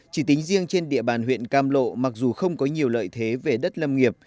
chỉ tính riêng trên địa bàn huyện cam lộ mặc dù không có nhiều lợi thế về đất lâm nghiệp